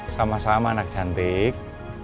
sama sama anak cantik